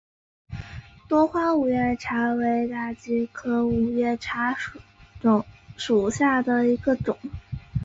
多花五月茶为大戟科五月茶属下的一个种。